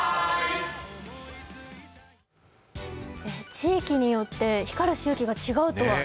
地域によって光る周期が違うとは。